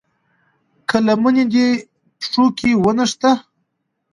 که لمنه دې پښو کې ونښته.